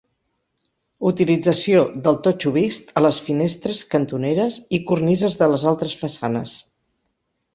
Utilització del totxo vist a les finestres, cantoneres i cornises de les altres façanes.